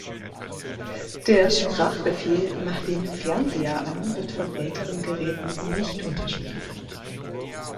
Der Sprachbefehl "Mach den Fernseher an" wird von älteren Geräten nicht unterstützt.